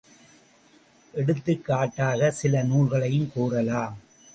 எடுத்துக்காட்டாக சில நூல்களைக் கூறலாம்.